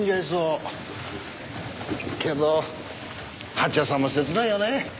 けど蜂矢さんも切ないよね。